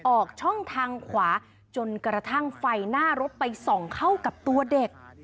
ออกช่องทางขวาจนกระทั่งไฟหน้ารถไปส่องเข้ากับตัวเด็ก